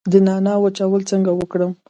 د نعناع وچول څنګه وکړم؟